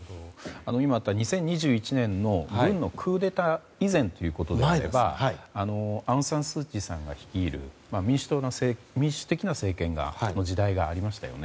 今あった２０２１年の軍のクーデター以前ということであればアウン・サン・スー・チーさんが率いる民主的な政権がありましたよね。